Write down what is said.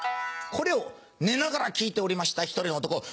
これを寝ながら聞いておりました１人の男。